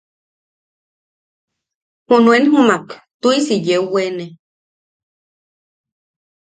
Junuen jumak tuʼisi yeu weene.